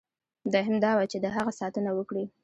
دوهم دا وه چې د هغه ساتنه وکړي.